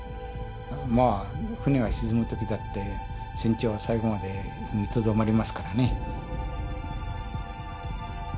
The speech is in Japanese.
まあ船が沈む時だって船長は最後まで踏みとどまりますからね。